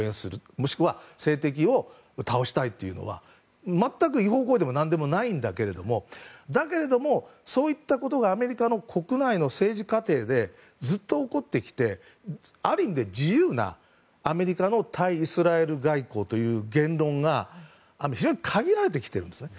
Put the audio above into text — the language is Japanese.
もしくは政敵を倒したいというのは全く違法行為でも何でもないんだけどだけれども、そういったことがアメリカの国内の政治過程でずっと起こってきてある意味で、自由なアメリカの対イスラエル外交という言論が非常に限られてきてるんですね。